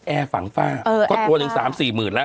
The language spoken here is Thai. แอร์ฝังฝ้าก็ตัวหนึ่ง๓๔หมื่นแล้ว